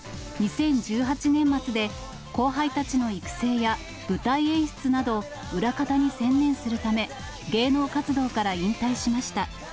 ２０１８年末で後輩たちの育成や舞台演出など、裏方に専念するため、芸能活動から引退しました。